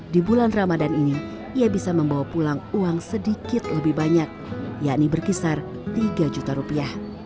di bulan ramadan ini ia bisa membawa pulang uang sedikit lebih banyak yakni berkisar tiga juta rupiah